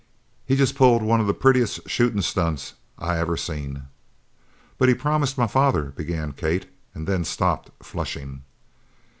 He just pulled one of the prettiest shootin' stunts I ever seen." "But he promised my father " began Kate, and then stopped, flushing.